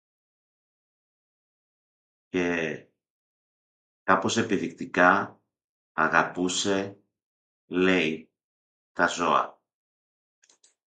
Και, κάπως επιδεικτικά, αγαπούσε, λέει, τα ζώα